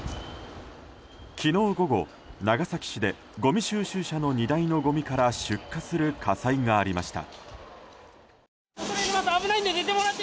昨日午後、長崎市でごみ収集車の荷台のごみから出火する火災がありました。